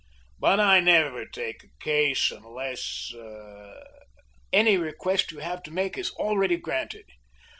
But I never take a case, unless " "Any request you have to make is already granted."